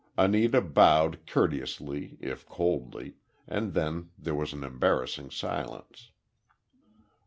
Anita bowed courteously if coldly, and then there was an embarrassing silence.